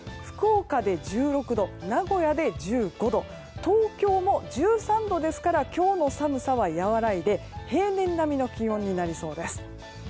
福岡で１６度名古屋で１５度東京も１３度ですから今日の寒さは和らいで平年並みの気温になりそうです。